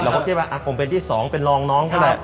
แล้วเขาคิดว่าผมเป็นที่สองเป็นรองน้อง